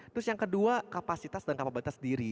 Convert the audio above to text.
terus yang kedua kapasitas dan kapabilitas diri